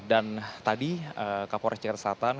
dan tadi kapolres jakarta selatan